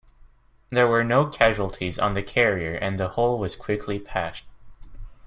There were no casualties on the carrier and the hole was quickly patched.